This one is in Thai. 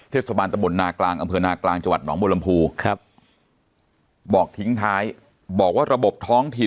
เทศบาลตะบลนาฮ